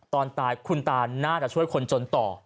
ตอนตายคุณตาน่าจะช่วยคนจนต่อ